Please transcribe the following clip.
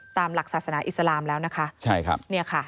ตามหลักศาสนาอิสลามแล้วนะคะ